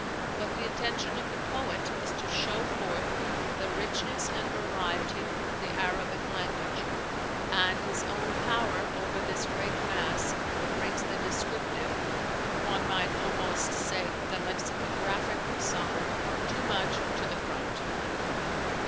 But the intention of the poet is to show forth the richness and variety of the Arabic language; and his own power over this great mass brings the descriptive one might almost say the lexicographic side too much to the front.